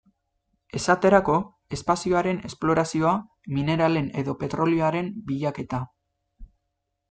Esaterako, espazioaren esplorazioa, mineralen edo petrolioaren bilaketa.